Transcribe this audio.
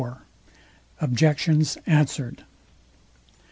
OBJECTIONS ANSWERED.